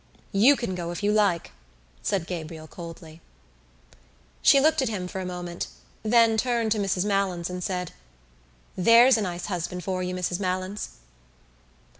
"You can go if you like," said Gabriel coldly. She looked at him for a moment, then turned to Mrs Malins and said: "There's a nice husband for you, Mrs Malins."